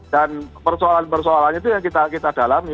dan persoalan persoalan itu yang kita dalami